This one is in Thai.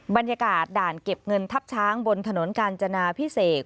บรรยากาศด่านเก็บเงินทับช้างบนถนนกาญจนาพิเศษ